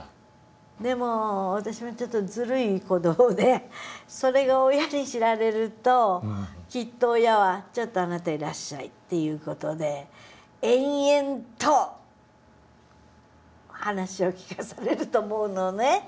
でも私もちょっとずるい子どもでそれが親に知られるときっと親は「ちょっとあなたいらっしゃい」っていう事で延々と話を聞かされると思うのね。